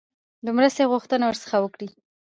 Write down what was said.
د مرستې غوښتنه ورڅخه وکړي.